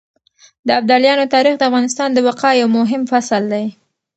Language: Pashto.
د ابدالیانو تاريخ د افغانستان د بقا يو مهم فصل دی.